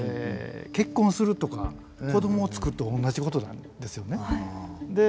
結婚するとか子どもをつくると同じことなんですよね。